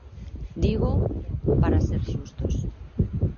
Dígoo para ser xustos.